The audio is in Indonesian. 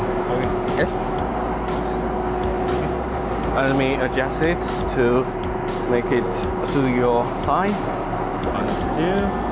saya akan mengaturnya agar menurut ukuran anda